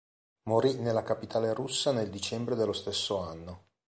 Morì nella capitale russa nel dicembre dello stesso anno.